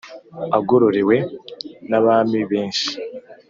agororewe n’abami benshi,